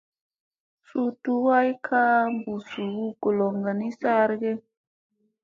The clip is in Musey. Suu tuɗ ay kaa bussa hu goloŋga ni saara ge ?